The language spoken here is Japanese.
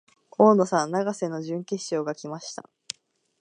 大野さん、永瀬の準決勝が来ました。